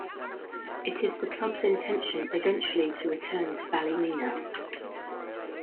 It is the club's intention eventually to return to Ballymena.